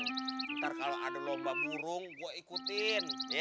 ntar kalau ada lomba burung gue ikutin ye